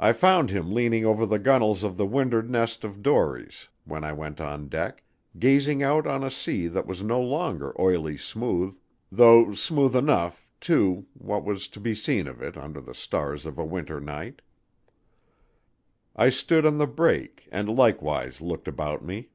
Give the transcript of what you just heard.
I found him leaning over the gunnels of the wind'ard nest of dories when I went on deck, gazing out on a sea that was no longer oily smooth, though smooth enough, too, what was to be seen of it, under the stars of a winter night. I stood on the break and likewise looked about me.